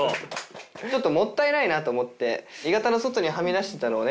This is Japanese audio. ちょっともったいないなと思って鋳型の外にはみ出してたのをね